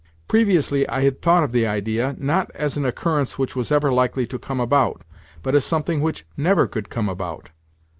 Previously, I had thought of the idea, not as an occurrence which was ever likely to come about, but as something which never could come about.